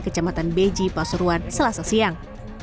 kecamatan beji pasuruan selasa siang